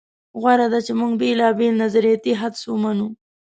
غوره ده چې موږ بېلابېل نظریاتي حدس ومنو.